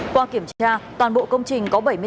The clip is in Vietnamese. qua kiểm tra toàn bộ công trình có bảy mươi tám